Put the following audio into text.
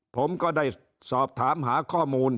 ผมก็ได้สอบถามหาข้อมูล